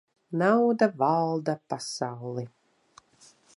Nauda valda pasauli.